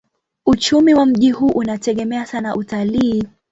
Uchumi wa mji huu unategemea sana utalii.